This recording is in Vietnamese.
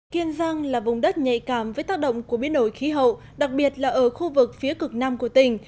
kiên giang là vùng đất nhạy cảm với tác động của biến đổi khí hậu đặc biệt là ở khu vực phía cực nam của tỉnh